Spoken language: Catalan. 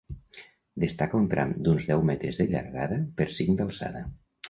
Destaca un tram d'uns deu metres de llargada per cinc d'alçada.